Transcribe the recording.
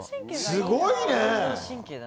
すごいね！